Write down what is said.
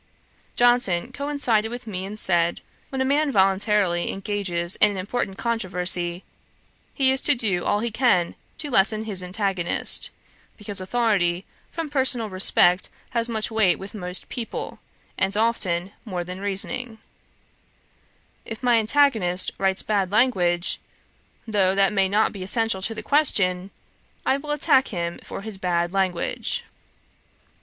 Johnson coincided with me and said, 'When a man voluntarily engages in an important controversy, he is to do all he can to lessen his antagonist, because authority from personal respect has much weight with most people, and often more than reasoning. If my antagonist writes bad language, though that may not be essential to the question, I will attack him for his bad language.'